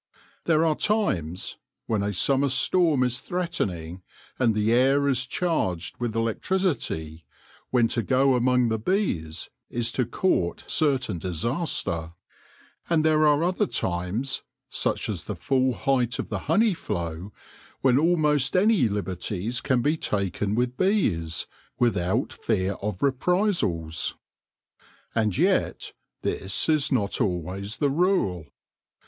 There are times, when a summer storm is threatening and the air is charged with electricity, when to go among the bees is to court certain disaster ; and there are other times, such as the full height of the honey flow, when almost any liberties can be taken with bees, without fear of reprisals. And yet this is not always the rule.